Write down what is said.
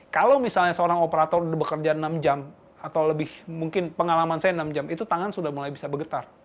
kalau misalnya seorang operator bekerja enam jam atau lebih mungkin pengalaman saya enam jam itu tangan sudah mulai bisa bergetar